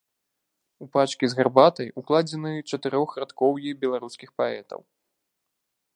У пачкі з гарбатай укладзены чатырохрадкоўі беларускіх паэтаў.